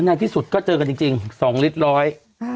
ในที่สุดก็เจอกันจริง๒ลิตรร้อย